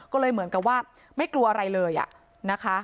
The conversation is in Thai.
ก็เลยเหมือนกับว่าไม่กลัวอะไรเลยนะคะ